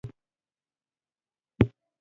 اکسیپیټل برخه د لید مرکز ګڼل کیږي